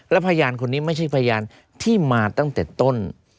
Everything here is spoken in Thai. พยานคนนี้ไม่ใช่พยานที่มาตั้งแต่ต้น